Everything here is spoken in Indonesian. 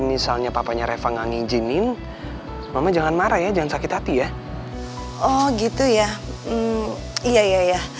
misalnya papanya reva nganginjinin mama jangan marah ya jangan sakit hati ya oh gitu ya iya iya